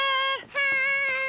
はい！